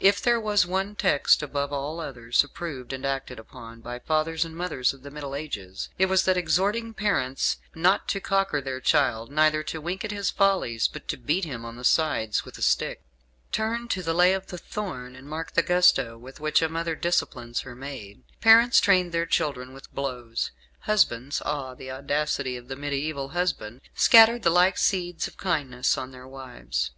If there was one text, above all others, approved and acted upon by fathers and mothers of the Middle Ages, it was that exhorting parents not to cocker their child, neither to wink at his follies, but to beat him on the sides with a stick. Turn to "The Lay of the Thorn," and mark the gusto with which a mother disciplines her maid. Parents trained their children with blows. Husbands (ah, the audacity of the mediaeval husband) scattered the like seeds of kindness on their wives.